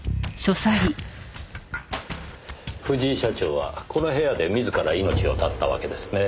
藤井社長はこの部屋で自ら命を絶ったわけですねえ。